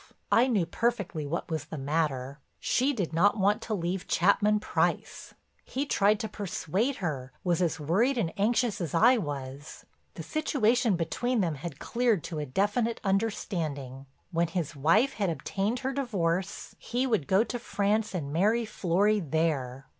I knew perfectly what was the matter—she did not want to leave Chapman Price. He tried to persuade her, was as worried and anxious as I was. The situation between them had cleared to a definite understanding—when his wife had obtained her divorce he would go to France and marry Florry there.